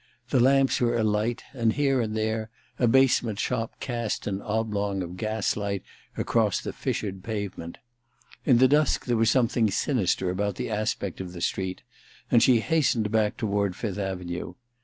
The lamps were alight, and here and there a basement shop cast an oblong of gas light across the fissured pave ment. In the dusk there was something sinister about the aspect of the street, and she hastened back toward Fifth Avenue.